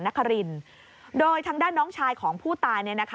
หรือว่าโรงพยาบาลสงขรานครินโดยทั้งด้านน้องชายของผู้ตายเนี่ยนะคะ